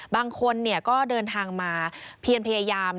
บางคนก็เดินทางมาเพียนพยายาม